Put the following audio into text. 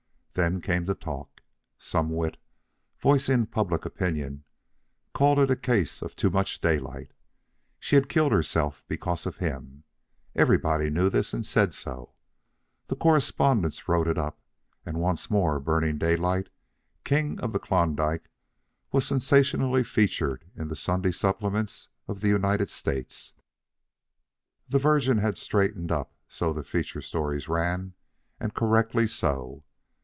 Then came the talk. Some wit, voicing public opinion, called it a case of too much Daylight. She had killed herself because of him. Everybody knew this, and said so. The correspondents wrote it up, and once more Burning Daylight, King of the Klondike, was sensationally featured in the Sunday supplements of the United States. The Virgin had straightened up, so the feature stories ran, and correctly so.